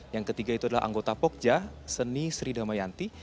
yang ketiga itu adalah anggota pogja seni sri damayanti